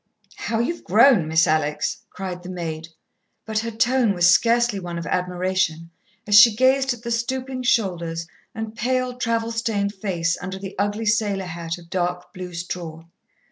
"How you've grown, Miss Alex!" cried the maid, but her tone was scarcely one of admiration, as she gazed at the stooping shoulders and pale, travel stained face under the ugly sailor hat of dark blue straw.